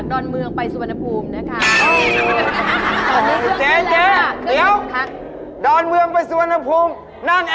ดูประเทศผู้ลูกมั่นมากกว่า